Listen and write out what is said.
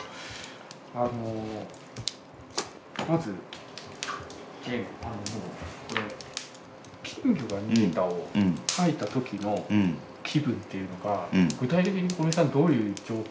あのまずこれ「きんぎょがにげた」を描いた時の気分っていうのが具体的に五味さんどういう状況？